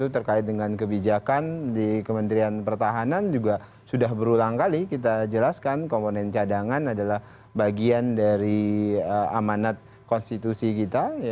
terkait dengan kebijakan di kementerian pertahanan juga sudah berulang kali kita jelaskan komponen cadangan adalah bagian dari amanat konstitusi kita